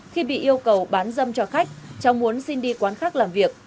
khi bị yêu cầu bán dâm cho khách cháu muốn xin đi quán khác làm việc